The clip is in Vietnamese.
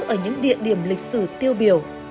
ở những địa điểm lịch sử tiêu biểu